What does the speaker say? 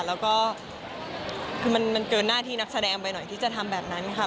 แล้วก็คือมันเกินหน้าที่นักแสดงไปหน่อยที่จะทำแบบนั้นค่ะ